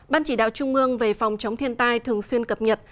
ban chỉ đạo trung ương về phòng chống thiên tai thường xuyên cập nhật